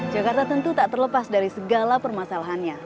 jakarta tentu tak terlepas dari segala permasalahannya